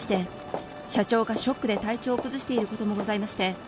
☎社長がショックで体調を崩していることもございまして